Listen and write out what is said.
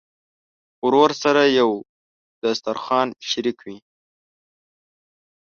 ورور سره یو دسترخوان شریک وي.